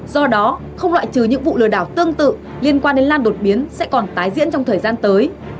do đó không loại trừ những vụ lừa đảo tương tự liên quan đến lan đột biến sẽ còn tái diễn trong thời gian tới